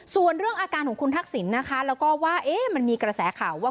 ส่วนเรื่องอาการของคุณทักษิณนะคะแล้วก็ว่ามันมีกระแสข่าวว่า